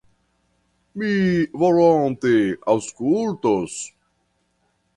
Mi volonte aŭskultos?